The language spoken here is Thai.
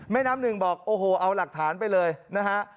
น้ำหนึ่งบอกโอ้โหเอาหลักฐานไปเลยนะฮะ